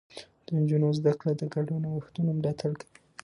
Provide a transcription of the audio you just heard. د نجونو زده کړه د ګډو نوښتونو ملاتړ کوي.